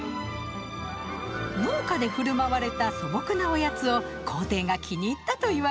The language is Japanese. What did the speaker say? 農家でふるまわれた素朴なおやつを皇帝が気に入ったといわれています。